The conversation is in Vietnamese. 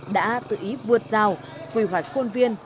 đã tự ý vượt rào quy hoạch khuôn viên